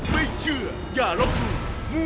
ไม่เชื่ออย่าลอกหนู